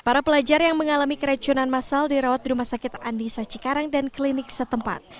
para pelajar yang mengalami keracunan masal dirawat di rumah sakit andi sacikarang dan klinik setempat